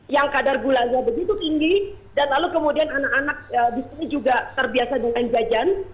yang kadar gulanya begitu tinggi dan lalu kemudian anak anak di sini juga terbiasa dengan jajan